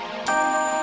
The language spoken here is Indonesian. kok esnya banyak